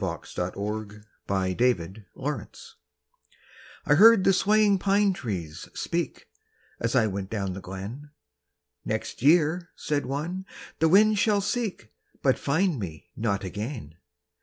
WHAT THE PINE TREES SAID I heard the swaying pine trees speak, As I went down the glen: "Next year," said one, "the wind shall seek, But find me not again!"